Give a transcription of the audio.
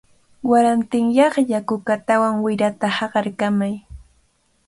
Warantinyaqlla kukatawan wirata haqarkamay.